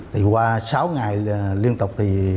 thì qua sáu ngày liên tục